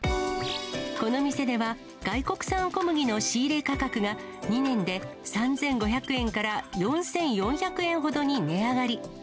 この店では、外国産小麦の仕入れ価格が２年で３５００円から４４００円ほどに値上がり。